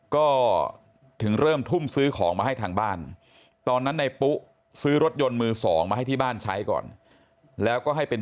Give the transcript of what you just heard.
ก็ถึงเริ่มทุ่มซื้อของมาให้ทางบ้าน